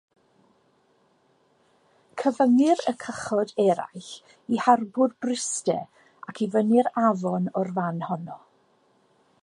Cyfyngir y cychod eraill i Harbwr Bryste ac i fyny'r Afon o'r fan honno.